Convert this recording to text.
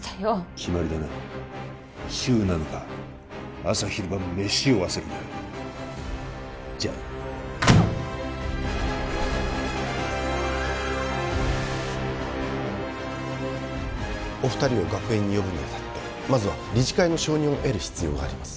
決まりだな週７日朝昼晩飯を忘れるなじゃあなお二人を学園に呼ぶにあたってまずは理事会の承認を得る必要があります